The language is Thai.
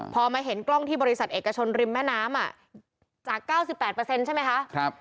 พอมาเห็นกล้องที่บริษัทเอกชนริมแม่น้ำจาก๙๘ใช่ไหมคะ